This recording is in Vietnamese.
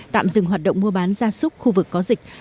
tạm dừng hoạt động mua bán ra súc khu vực có dịch